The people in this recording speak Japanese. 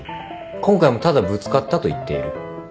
今回もただぶつかったと言っている。